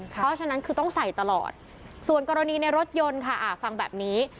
เพราะฉะนั้นคือต้องใส่ตลอดส่วนกรณีในรถยนต์ค่ะฟังแบบนี้